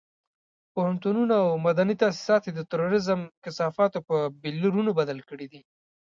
پوهنتونونه او مدني تاسيسات یې د تروريزم کثافاتو بيولرونو بدل کړي دي.